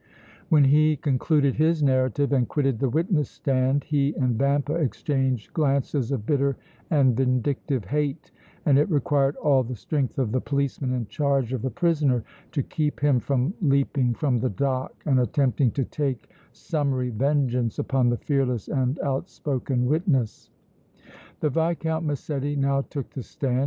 When he concluded his narrative and quitted the witness stand he and Vampa exchanged glances of bitter and vindictive hate, and it required all the strength of the policemen in charge of the prisoner to keep him from leaping from the dock and attempting to take summary vengeance upon the fearless and outspoken witness. The Viscount Massetti now took the stand.